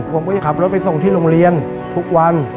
ผมก็จะขับรถไปส่งที่โรงเรียนทุกวัน